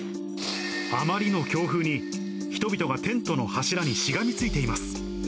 あまりの強風に、人々がテントの柱にしがみついています。